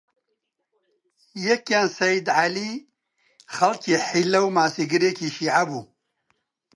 یەکیان سەیید عەلی، خەڵکی حیللە و ماسیگرێکی شیعە بوو